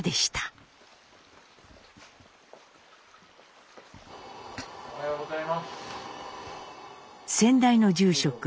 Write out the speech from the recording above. おはようございます。